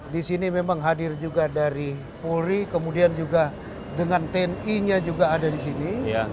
di sini memang hadir juga dari polri kemudian juga dengan tni nya juga ada di sini